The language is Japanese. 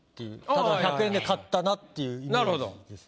ただ１００円で買ったなっていうイメージです。